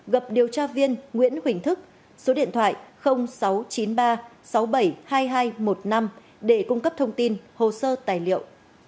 gặp điều tra viên nguyễn huỳnh thức số điện thoại sáu trăm chín mươi ba sáu mươi bảy hai nghìn hai trăm một mươi năm để cung cấp thông tin hồ sơ tài liệu